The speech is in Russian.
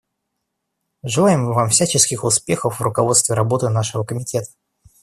Желаем Вам всяческих успехов в руководстве работой нашего Комитета.